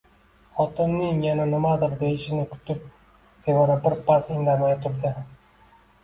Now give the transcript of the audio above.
Xotinning yana nimadir deyishini kutib, Sevara bir pas indamay turdi